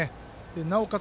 なおかつ